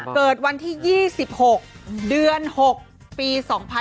เกิดวันที่๒๖เดือน๖ปี๒๕๖๒